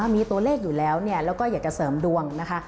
มีตัวเลขอยู่แล้วแล้วก็อยากจะเสริมดวงนะคะ